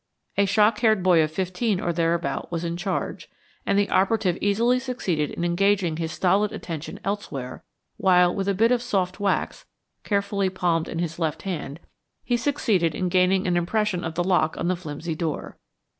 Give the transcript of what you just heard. A shock headed boy of fifteen or thereabout was in charge, and the operative easily succeeded in engaging his stolid attention elsewhere while, with a bit of soft wax carefully palmed in his left hand, he succeeded in gaining an impression of the lock on the flimsy door.